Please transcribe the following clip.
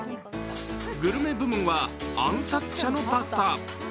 グルメ部門は、暗殺者のパスタ。